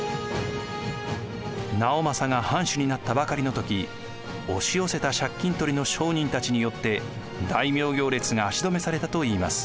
直正が藩主になったばかりの時押し寄せた借金取りの商人たちによって大名行列が足止めされたといいます。